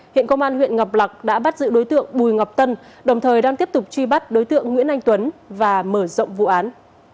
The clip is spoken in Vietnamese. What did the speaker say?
hiện công an huyện ngọc lạc đã bắt giữ đối tượng bùi ngọc tân đồng thời đang tiếp tục truy bắt đối tượng nguyễn anh tuấn và mở rộng vụ án